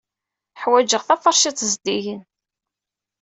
Ḥwajeɣ taferčiṭ zeddigen.